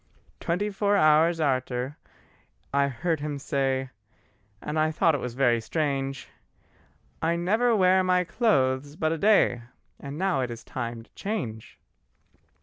Twenty four hours arter, I heard him say, And I thought it was very strange: "I never wear my clothes but a day And now it is time to change.